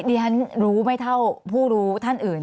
เรียนรู้ไม่เท่าผู้รู้ท่านอื่น